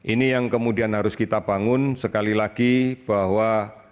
ini yang kemudian harus kita bangun sekali lagi bahwa